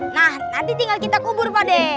nah nanti tinggal kita kubur pak deh